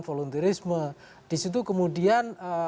voluntirisme disitu kemudian